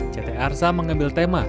ct arsa mengambil tema